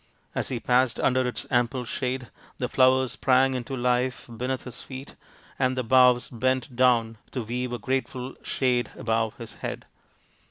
As he passed under its ample shade, the flowers sprang into life beneath his feet and the boughs bent down to weave a grateful shade above his head.